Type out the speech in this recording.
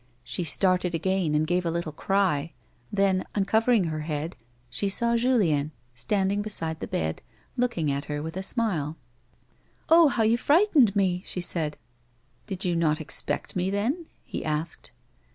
She started again, and gave a little cry ; then, uncovering her head, she saw Julien standing beside the bed, looking at her with a smile. 58 A WOMAN'S LIFE. " Oh, how you frightened me !" she said. " Did you not expect me, then ?" he asked.